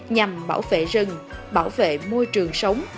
nhằm bảo vệ rừng bảo vệ môi trường sống